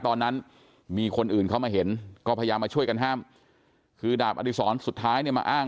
ตอนนั้นมีคนอื่นเข้ามาเห็นก็พยายามมาช่วยกันห้ามคือดาบอดีศรสุดท้ายเนี่ยมาอ้าง